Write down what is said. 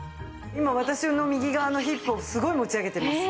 今私の右側のヒップをすごい持ち上げてます。